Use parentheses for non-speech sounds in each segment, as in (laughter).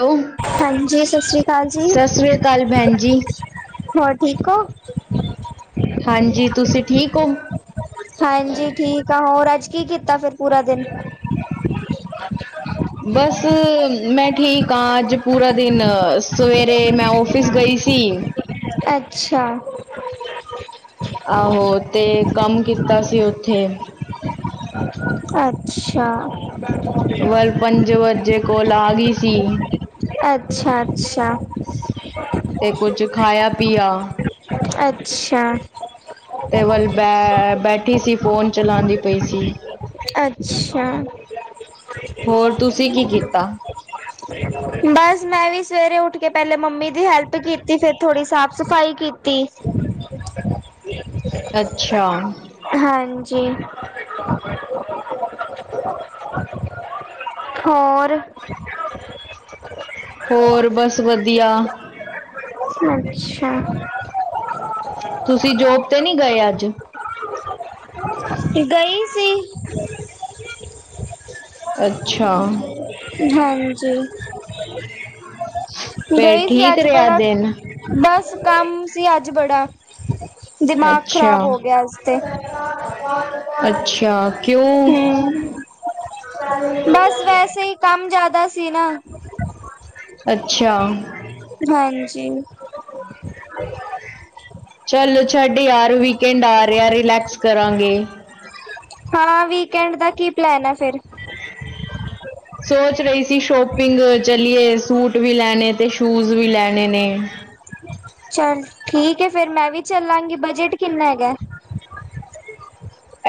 Hello ਹਾਂਜੀ ਸਤਿ ਸ੍ਰੀ ਅਕਾਲ ਜੀ। ਸਤਿ ਸ੍ਰੀ ਅਕਾਲ ਭੈਣ ਜੀ ਹੋਰ ਠੀਕ ਹੋ। ਹਾਂਜੀ, ਤੁਸੀਂ ਠੀਕ ਹੋ। ਹਾਂਜੀ ਠੀਕ ਆ ਹੋਰ ਅੱਜ ਕੀ ਕੀਤਾ ਫਿਰ ਪੂਰਾ ਦਿਨ। (inaudible) ਬਸ ਮੈਂ ਠੀਕ ਹਾਂ ਅੱਜ ਪੂਰਾ ਦਿਨ ਸਵੇਰੇ ਮੈਂ ਔਫਿਸ ਗਈ ਸੀ। ਅੱਛਾ। ਆਹੋ ਤੇ ਕੰਮ ਕੀਤਾ ਸੀ ਉੱਥੇ। ਅੱਛਾ। ਵੱਲ ਪੰਜ ਵਜੇ ਕੌਲ ਆ ਗਈ ਸੀ। ਅੱਛਾ, ਅੱਛਾ। ਤੇ ਕੁੱਛ ਖਾਇਆ ਪੀਆਂ। ਅੱਛਾ। ਤੇ ਵੱਲ ਬੈ ਬੈਠੀ ਸੀ। ਫੋਨ ਚਲਾਉਂਦੀ ਪਈ ਸੀ। ਅੱਛਾ। ਹੋਰ ਤੁਸੀਂ ਕੀ ਕੀਤਾ। ਬਸ ਮੈਂ ਵੀ ਸਵੇਰੇ ਉੱਠ ਕੇ ਪਹਿਲੇ ਮੰਮੀ ਦੀ ਹੈਲਪ ਕੀਤੀ ਫੇਰ ਥੋੜ੍ਹੀ ਸਾਫ਼ ਸਫ਼ਾਈ ਕੀਤੀ। ਹੂੰ। (inaudible) ਹੂੰ। ਅੱਛਾ ਹਾਂਜੀ। ਹੋਰ। ਹੋਰ ਬਸ ਵਧੀਆ। ਅੱਛਾ। ਤੁਸੀਂ ਜੋਬ ਤੇ ਨਹੀਂ ਗਏ ਅੱਜ। ਗਈ ਸੀ। ਅੱਛਾ। ਹਾਂਜੀ। ਫੇਰ ਗਈ ਸੀ ਠੀਕ ਅੱਜ ਰਿਹਾ ਬੜਾ ਦਿਨ। ਬਸ ਕੰਮ ਸੀ ਅੱਜ ਬੜਾ, ਦਿਮਾਗ ਅੱਛਾ ਖ਼ਰਾਬ ਹੋ ਗਿਆ ਅੱਜ ਤੇ। ਅੱਛਾ ਕਿਉਂ। ਹੂੰ ਬ ਵੈਸੇ ਹੀ ਕੰਮ ਜ਼ਿਆਦਾ ਸੀ ਨਾ। ਅੱਛਾ। ਹਾਂਜੀ। ਹਾਂਜੀ। ਚਲੋ ਛੱਡ ਯਾਰ ਵੀਕਐਂਡ ਆ ਰਿਹਾ ਰਿਲੈਕਸ ਕਰਾਂਗੇ। ਹਾਂ ਵੀਕਐਂਡ ਦਾ ਕੀ ਪਲੈਨ ਆ ਫਿਰ। (inaudible) ਸੋਚ ਰਹੀ ਸੀ। ਸ਼ੋਪਿੰਗ ਚਲੀਏ ਸੂਟ ਵੀ ਲੈਣੇ ਤੇ ਸ਼ੂਜ਼ ਵੀ ਲੈਣੇ ਨੇ। ਚੱਲ ਠੀਕ ਹੈ ਫੇਰ ਮੈਂ ਵੀ ਚੱਲਾਂਗੀ ਬਜਟ ਕਿੰਨਾ ਹੈਗਾ ਹੈ।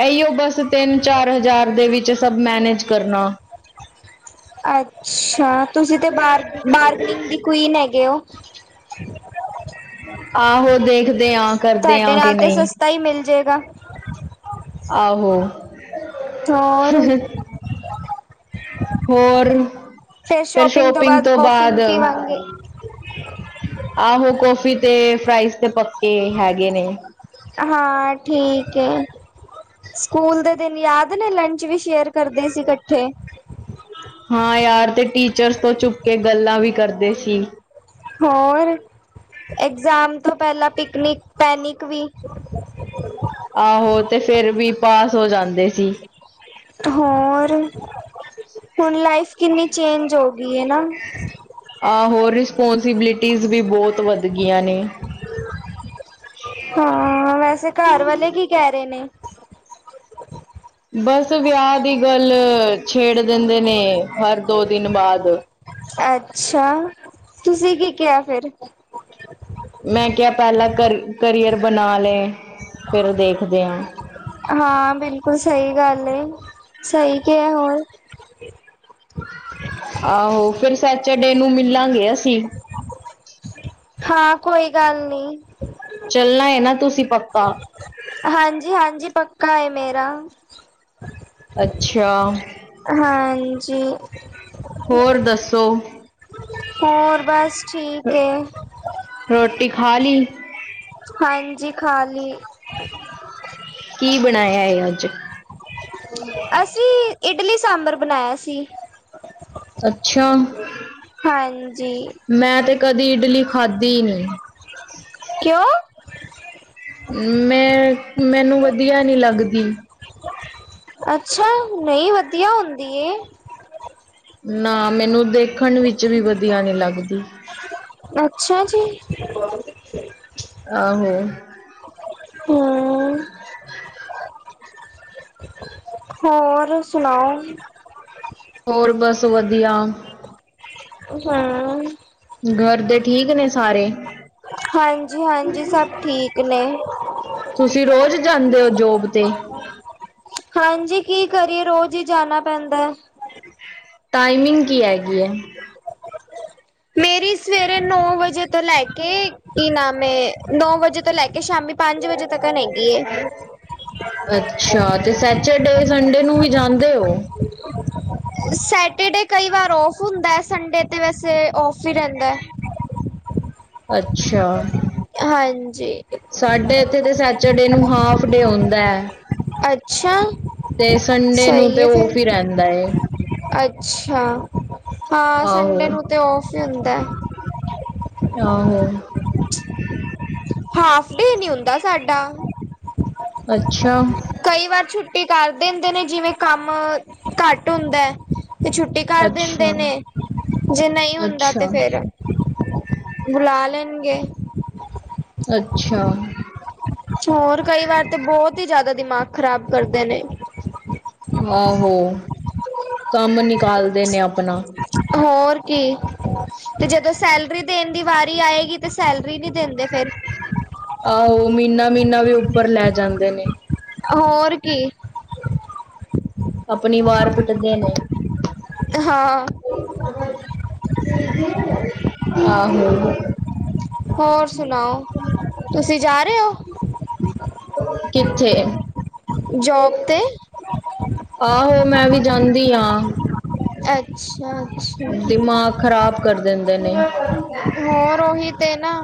ਇਹੀਓ ਬਸ ਤਿੰਨ ਚਾਰ ਹਜ਼ਾਰ ਦੇ ਵਿੱਚ ਸਭ ਮੈਨੇਜ ਕਰਨਾ। ਅੱਛਾ ਤੁਸੀਂ ਤੇ ਬਾਹਰ ਬਾਰਗਨਿੰਗ ਦੀ ਕੁਈਨ ਹੈਗੇ ਹੋ। ਆਹੋ ਦੇਖਦੇ। ਆਂ ਕਰਦੇ ਤੁਹਾਡੇ ਆਂ ਕਿ ਨਾਲ ਤੇ ਨਹੀਂ ਸਸਤਾ ਹੀ ਮਿਲਜੇਗਾ। ਆਹੋ। ਹੋਰ ਹੋਰ, ਫਿਰ ਸ਼ੋਪਿੰਗ ਤੋਂ ਬਾਅਦ। ਆਹੋ ਕਾਫ਼ੀ ਤੇ ਫਰਾਈਜ਼ ਤੇ ਪੱਕੇ ਹੈਗੇ ਨੇ। ਹਾਂ ਠੀਕ ਹੈ, ਸਕੂਲ ਦੇ ਦਿਨ ਯਾਦ ਨੇ ਲੰਚ ਵੀ ਸ਼ੇਅਰ। ਕਰਦੇ ਸੀ ਇਕੱਠੇ। ਹਾਂ ਯਾਰ, ਤੇ ਟੀਚਰਸ ਤੋਂ ਛੁਪ ਕੇ ਗੱਲਾਂ ਵੀ ਕਰਦੇ ਸੀ। ਹੋਰ ਐਗਜ਼ਾਮ ਤੋਂ ਪਹਿਲਾਂ ਪਿਕਨਿਕ ਪੈਨਿਕ ਵੀ। ਆਹੋ ਤੇ ਫੇਰ ਵੀ ਪਾਸ ਹੋ ਜਾਂਦੇ ਸੀ। ਹੋਰ, ਹੁਣ ਲਾਈਫ ਕਿੰਨੀ ਚੇਂਜ ਹੋ ਗਈ ਏ ਨਾ। ਆਹੋ, ਰਿਸਪੋਂਸੀਬਿਲਿਟੀਜ਼ ਵੀ ਬਹੁਤ ਵੱਧ ਗਈਆਂ ਨੇ। ਹਾਂ, ਵੈਸੇ ਘਰ ਵਾਲੇ ਕੀ ਕਹਿ ਰਹੇ ਨੇ? ਬਸ ਵਿਆਹ ਦੀ ਗੱਲ ਛੇੜ ਦੇੰਦੇ ਨੇ ਹਰ ਦੋ ਦਿਨ ਬਾਦ। ਅੱਛਾ, ਤੁਸੀਂ ਕੀ ਕਿਹਾ ਫਿਰ? ਮੈਂ ਕਿਹਾ ਪਹਿਲਾਂ ਕਰ ਕਰੀਅਰ ਬਣਾ ਲਏ ਫਿਰ ਦੇਖਦੇ ਹਾਂ। ਹਾਂ, ਬਿਲਕੁਲ ਸਹੀ ਗੱਲ ਏ ਸਹੀ ਕਿਹਾ ਹੋਰ। ਆਹੋ, ਫਿਰ ਸੈਚਡੇ ਨੂੰ ਮਿਲਾਂਗੇ ਅਸੀਂ। ਹਾਂ, ਕੋਈ ਗੱਲ ਨੀ। ਚੱਲਣਾ ਏ ਨਾ ਤੁਸੀਂ ਪੱਕਾ? ਹਾਂਜੀ ਹਾਂਜੀ, ਪੱਕਾ ਏ ਮੇਰਾ। ਅੱਛਾ। ਹਾਂਜੀ। ਹੋਰ ਦੱਸੋ? ਹੋਰ, ਬਸ ਠੀਕ ਏ। ਰੋਟੀ ਖਾ ਲੀ? ਹਾਂਜੀ ਖਾਲੀ। ਕੀ ਬਣਾਇਆ ਏ ਅੱਜ? ਅਸੀਂ ਇਡਲੀ ਸਾਂਬਰ ਬਣਾਇਆ ਸੀ। ਅੱਛਾ। ਹਾਂਜੀ ਮੈਂ ਤੇ ਕਦੀ ਇਡਲੀ ਖਾਧੀ ਨੀ। ਕਿਉਂ ਮੈਂ ਮੈਨੂੰ ਵਧੀਆ ਨੀ ਲੱਗਦੀ। ਅੱਛਾ, ਨਹੀਂ ਵਧੀਆ ਹੁੰਦੀ ਏ। ਨਾ ਮੈਨੂੰ ਦੇਖਣ ਵਿੱਚ ਵੀ ਵਧੀਆ ਨੀ ਲੱਗਦੀ। ਅੱਛਾ ਜੀ। ਆਹੋ। ਹੂੰ, (inaudible) ਹੋਰ, ਸੁਣਾਓ? ਹੋਰ, ਬਸ ਵਧੀਆ। ਹਾਂ। ਘਰ ਦੇ ਠੀਕ ਨੇ ਸਾਰੇ? ਹਾਂਜੀ ਹਾਂਜੀ, ਸਭ ਠੀਕ ਨੇ। ਤੁਸੀਂ ਰੋਜ਼ ਜਾਂਦੇ ਹੋ ਜੋਬ ਤੇ? ਹਾਂਜੀ, ਕੀ ਕਰੀਏ ਰੋਜ਼ ਹੀ ਜਾਣਾ ਪੈਂਦੈ। ਟਾਈਮਿੰਗ ਕੀ ਹੈਗੀ ਹੈ? ਮੇਰੀ ਸਵੇਰੇ ਨੌ ਵਜੇ ਤੋਂ ਲੈ ਕੇ ਕੀ ਨਾਮ ਏ ਨੌ ਵਜੇ ਤੋਂ ਲੈ ਕੇ ਸ਼ਾਮੀ ਪੰਜ ਵਜੇ ਤੱਕਣ ਹੈਗੀ ਏ। ਅੱਛਾ ਤੇ ਸੈਚਰਡੇ ਸੰਡੇ ਨੂੰ ਵੀ ਜਾਂਦੇ ਹੋ? ਸੈਟਰਡੇ ਕਈ ਵਾਰ ਔਫ ਹੁੰਦਾ, ਸੰਡੇ ਤੇ ਵੈਸੇ ਔਫ ਹੀ ਰਹਿੰਦਾ। ਅੱਛਾ, ਹਾਂਜੀ, ਸਾਡੇ ਇੱਥੇ ਦੇ ਸੈਟ ਚਰਡੇ ਨੂੰ ਹਾਫ ਡੇ ਹੁੰਦਾ। ਅੱਛਾ। ਤੇ ਸੰਡੇ ਨੂੰ ਸਹੀ ਤੇ ਏ ਔਫ ਹੀ ਫਿਰ। ਰਹਿੰਦਾ ਏ। ਅੱਛਾ, ਹਾਂ ਸੰਡੇ ਆਹੋ ਨੂੰ ਤੇ ਔਫ ਈ ਹੁੰਦੈ। ਆਹੋ। ਹਾਫ ਡੇ ਨੀ ਹੁੰਦਾ ਸਾਡਾ। ਅੱਛਾ ਕਈ ਵਾਰ ਛੁੱਟ ਛੁੱਟੀ ਕਾਰ ਦੇੰਦੇ ਨੇ ਜਿਵੇਂ ਕੰਮ ਘੱਟ ਹੁੰਦਾ, ਤੇ ਛੁੱਟੀ ਕਰ ਅੱਛਾ ਦਿੰਦੇ ਨੇ, ਜੇ ਨਹੀਂ ਹੁੰਦਾ ਅੱਛਾ ਤੇ ਫੇਰ ਬੁਲਾ ਲੈਣਗੇ। ਅੱਛਾ। ਹੋਰ ਕਈ ਵਾਰ ਤੇ ਬਹੁਤ ਹੀ ਜ਼ਿਆਦਾ ਦਿਮਾਗ ਖ਼ਰਾਬ ਕਰਦੇ ਨੇ। ਆਹੋ ਕੰਮ ਨਿਕਾਲਦੇ ਨੇ ਆਪਣਾ। ਹੋਰ ਕੀ ਤੇ ਜਦੋਂ ਸੈਲਰੀ ਦੇਣ ਦੀ ਵਾਰੀ ਆਏਗੀ ਤੇ ਸੈਲਰੀ ਨਹੀਂ ਦਿੰਦੇ ਫੇਰ। ਆਹੋ ਮਹੀਨਾ ਮਹੀਨਾ ਵੀ ਉੱਪਰ ਲੈ ਜਾਂਦੇ ਨੇ। ਹੋਰ ਕੀ। ਆਪਣੀ ਵਾਰ ਪਿੱਟਦੇ ਨੇ। ਹਾਂ ਆਹੋ। ਹੋਰ ਸੁਣਾਓ, ਤੁਸੀਂ ਜਾ ਰਹੇ ਹੋ? ਕਿੱਥੇ। ਜੋਬ ਤੇ ਆਹੋ, ਮੈਂ ਵੀ ਜਾਂਦੀ ਹਾਂ। ਅੱਛਾ -ਅੱਛਾ। ਦਿਮਾਗ ਖ਼ਰਾਬ ਕਰ ਦਿੰਦੇ ਨੇ। ਹੋਰ, ਉਹੀ ਤੇ ਨਾ।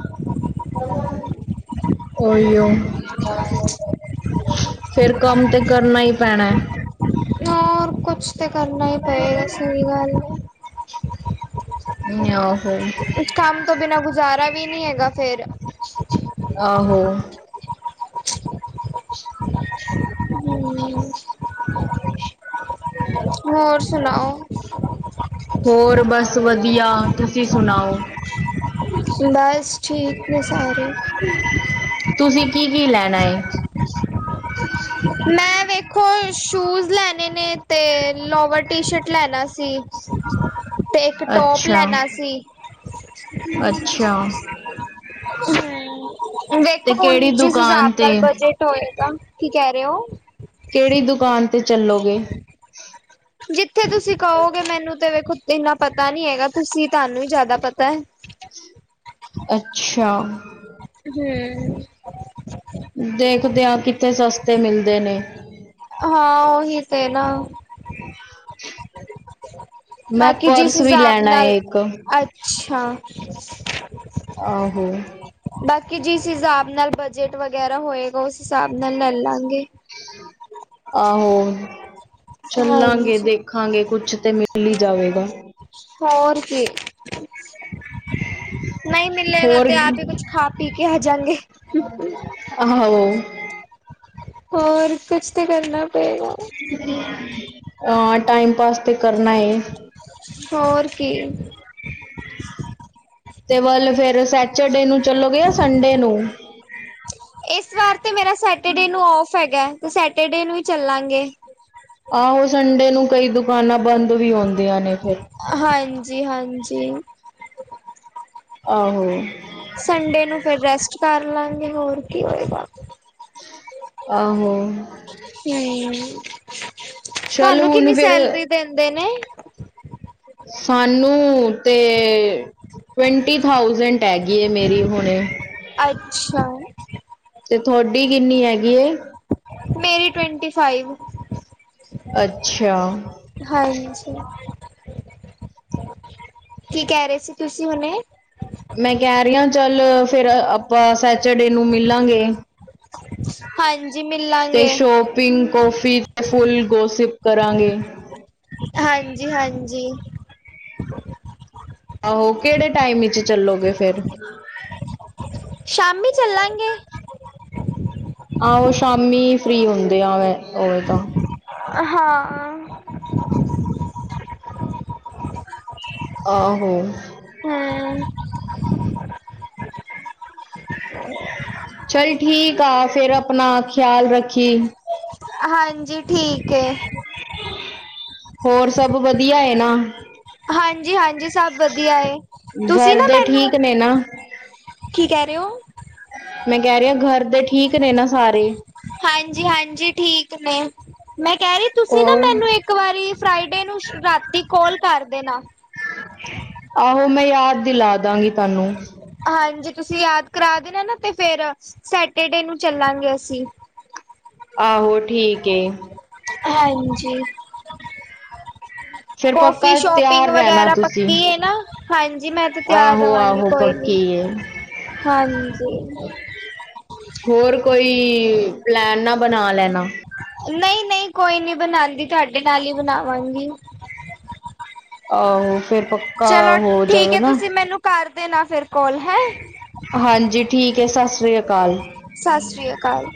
ਉਹੀ ਓ ਫੇਰ, ਕੰਮ ਤੇ ਕਰਨਾ ਹੀ ਪੈਣਾ। ਹੋਰ ਕੁਛ ਤੇ, ਕਰਨਾ ਹੀ ਪਏਗਾ ਸਹੀ ਗੱਲ ਹੈ। ਆਹੋ। ਇਸ ਕੰਮ ਤੋਂ ਬਿਨਾ ਗੁਜ਼ਾਰਾ ਵੀ ਨੀ, ਹੈਗਾ ਫੇਰ। ਆਹੋ। ਹਮ। ਹੋਰ ਸੁਣਾਓ? ਹੋਰ ਬਸ ਵਧੀਆ, ਤੁਸੀਂ ਸੁਣਾਓ? ਬਸ, ਠੀਕ ਨੇ ਸਾਰੇ। ਤੁਸੀਂ, ਕੀ-ਕੀ ਲੈਣਾ ਏ? ਮੈਂ ਵੇਖੋ ਸ਼ੂਜ ਲੈਣੇ ਨੇ, ਤੇ ਲੋਵਰ, ਟੀ- ਸ਼ਰਟ ਲੈਣਾ ਸੀ। ਤੇ, ਇੱਕ ਟੌਪ ਅੱਛਾ ਲੈਣਾ ਸੀ। ਅੱਛਾ। ਹਮ, ਤੇ ਦੇਖੋ ਕਿਹੜੀ ਹੁਣ ਜਿਸ ਦੁਕਾਨ ਹਿਸਾਬ ਤੇ ਨਾਲ ਬਜ- ਟ ਹੋਏਗਾ, ਕੀ ਕਹਿ ਰਹੇ ਹੋ? ਕਿਹੜੀ, ਦੁਕਾਨ ਤੇ ਚੱਲੋਗੇ? ਜਿੱਥੇ ਤੁਸੀਂ ਕਹੋਗੇ, ਮੈਨੂੰ ਤੇ ਵੇਖੋ ਇੰਨਾ ਪਤਾ ਨੀ ਹੈਗਾ, ਤੁਸੀਂ, ਤੁਹਾਨੂੰ ਹੀ ਜ਼ਿਆਦਾ ਪਤਾ ਹੈ। ਅੱਛਾ। ਹਮ। ਦੇਖਦੇ ਆਂ, ਕਿੱਥੇ ਸਸਤੇ ਮਿਲਦੇ ਨੇ। ਹਾਂ, ਉਹੀ ਤੇ ਨਾ। ਮੈਂ ਬਾਕੀ, ਜਿਸ ਪਰਸ ਵੀ ਹਿਸਾਬ ਲੈਣਾ ਹੈ ਨਾਲ ਇੱਕ ਅ ਅੱਛਾ। ਆਹੋ। ਬਾਕੀ ਜਿਸ ਹਿਸਾਬ ਨਾਲ, ਬਜਟ ਵਗੈਰਾ ਹੋਏਗਾ, ਉਸ ਹਿਸਾਬ ਨਾਲ ਲੈ ਲਾਂਗੇ। ਆਹੋ ਚੱਲਾਂਗੇ, ਹਾਂਜੀ ਦੇਖਾਂਗੇ ਕੁਛ ਤੇ ਮਿਲੇਗਾ। ਹੋਰ ਕੀ। ਨਹੀਂ ਮਿਲੇਗਾ, ਹੋਰ ਤੇ ਆਪ ਹੀ ਕੁਛ ਖਾ, ਪੀ ਕੇ ਆ ਜਾਂਗੇ। ਆਹੋ। ਹੋਰ ਕੁਛ ਤਾਂ, ਕਰਨਾ ਪਏਗਾ। ਹਾਂ, ਟਾਈਮ ਪਾਸ ਤੇ ਕਰਨਾ ਏ। ਹੋਰ ਕੀ। ਤੇ, ਵੱਲ ਫੇਰ ਸੈਚਰਡੇ ਨੂੰ ਚਲੋਗੇ ਯਾ ਸੰਡੇ ਨੂੰ? ਇਸ ਵਾਰ ਤੇ ਮੇਰਾ, ਸੈਟਰਡੇ ਨੂੰ ਆਫ ਹੈਗਾ, ਤੇ ਸੈਟਰਡੇ ਨੂੰ ਹੀ ਚੱਲਾਂਗੇ। ਆਹੋ, ਸੰਡੇ ਨੂੰ ਕਈ ਦੁਕਾਨਾਂ ਬੰਦ ਵੀ ਹੁੰਦੀਆਂ ਨੇ ਫਿਰ। ਹਾਂਜੀ- ਹਾਂਜੀ। ਆਹੋ। ਸੰਡੇ ਨੂੰ ਫੇਰ ਰੈਸਟ ਕਰ ਲਵਾਂਗੇ, ਹੋਰ ਕੀ ਹੋਏਗਾ? ਆਹੋ। ਹਮ, ਚੱਲ ਤੁਹਾਨੂੰ ਹੁਣ ਕਿੰਨੀ ਫਿਰ ਸੈਲਰੀ ਦਿੰਦੇ ਨੇ? ਸਾਨੂੰ ਤੇ- ਟਵੰਟੀ ਥਾਊਸੈਂਟ, ਹੈਗੀ ਮੇਰੀ ਹੁਣ। ਅੱਛਾ ਤੇ ਤੁਹਾਡੀ ਕਿੰਨੀ ਹੈਗੀ ਏ? ਮੇਰੀ, ਟਵੰਟੀ ਫਾਈਵ। ਅੱਛਾ। ਹਾਂਜੀ, ਕੀ ਕਹਿ ਰਹੇ ਸੀ ਤੁਸੀਂ ਹੁਣੇ? ਮੈਂ ਕਹਿ ਰਹੀਹਾ ਚੱਲ ਫਿਰ ਆਪਾਂ ਸੈਚਡੇ ਨੂੰ ਮਿਲਾਂਗੇ। ਹਾਂਜੀ ਤੇ ਮਿਲਾਂਗੇ, ਸ਼ੋ- ਸੋ਼ਪਿਗ, ਕੌਫੀ ਅਤੇ ਫੁੱਲ ਗੋਸਿਪ ਕਰਾਂਗੇ। ਹਾਂਜੀ, ਹਾਂਜੀ। ਆਹੋ ਕਿਹੜੇ ਟਾਈਮ ਵਿੱਚ ਚੱਲੋਗੇ ਫੇਿਰ? ਹ ਸ਼ਾਮੀ ਚੱਲਾਂਗੇ। ਆਹੋ ਸ਼ਾਮੀ ਫ੍ਰਰੀ ਹੁੰਦੇ ਆ ਮੈਂ। ਉਵੇਂ ਤਾਂ ਹਾਂ। ਆਹੋ। ਹੂੰ, ਚੱਲ ਠੀਕ ਆ ਫਿਰ ਆਪਣਾ ਖਿਆਲ ਰੱਖੀ। ਹਾਂਜੀ ਠੀਕ ਹੈ। ਹੋਰ ਸਭ ਵਧੀਆ ਏਨਾ? ਹਾਂਜੀ, ਹਾਂਜੀ ਸਭ ਵਧੀਆ। ਤੁਸੀਂ ਘਰ ਨਾ ਦੇ ਮੈਨੂੰ- ਠੀਕ ਨੇ ਨਾ ਕੀ ਕਹਿ ਰਹੇ ਹੋ? ਮੈਂ ਕਹਿ ਰਹੀ ਹਾ ਘਰ ਦੇ ਠੀਕ ਨੇ ਨਾ ਸਾਰੇ। ਹਾਂਜੀ- ਹਾਂਜੀ ਠੀਕ ਨੇ। ਮੈਂ ਕਹਿ ਰਹੀ ਤੁਸੀਂ ਨਾ ਉਹ ਮੈਨੂੰ ਇੱਕ ਵਾਰੀ ਫਰਾਈਡੇ ਨੂੰ ਰਾਤੀ ਕੋਲ ਕਰ ਦੇ ਦੇਣਾ। ਆਹੋ ਮੈਂ ਯਾਦ ਦਿਲਾ ਦਵਾਂਗੀ ਤੁਹਾਨੂੰ। ਹਾਂਜੀ, ਤੁਸੀਂ ਯਾਦ ਕਰਾ ਦੇਣਾ ਨਾ ਤੇ ਫਿਰ ਸੈਟਰਡੇ ਨੂੰ ਚੱਲਾਂਗੇ ਅਸੀਂ। ਆਹੋ ਠੀਕ ਏ। ਹਾਂਜੀ। ਫਿਰ ਕੋਫੀ, ਪੱਕਾ ਸ਼ੋਪਿੰਗ ਤਿਆਰ ਰਹਿਣਾ ਵਗੈਰਾ ਤੁਸੀਂ ਪੱਕੀ ਹੈ ਨਾ। ਹਾਂਜੀ, ਮੈਂ ਤੇ ਤਿਆਰ ਰਹਾਂਗੀ ਕੋਈ ਨੀ। ਕੀ- ਹਾਂਜੀ। ਹੋਰ ਕੋਈ ਪਲੈਨ ਨਾ ਬਣਾ ਲੈਣਾ। ਨਹੀਂ- ਨਹੀਂ ਕੋਈ ਨੀ ਬਣਾਉਂਦੀ ਤੁਹਾਡੇ ਨਾਲ ਹੀ ਬਣਾਵਾਂਗੀ। ਆਹੋ ਫੇਰ ਪੱਕਾ ਚਲੋ ਹੋ ਠੀਕ ਜਾਵੇ ਹੈ ਨਾ। ਤੁਸੀਂ ਮੈਨੂੰ ਕਰ ਦੇਣਾ ਫਿਰ ਕੋਲ। ਹੈ- ਹਾਂਜੀ ਠੀਕ ਹੈ, ਸਤਿ ਸ੍ਰੀ ਅਕਾਲ‌। ਸਤਿ ਸ਼੍ਰੀ ਅਕਾਲ।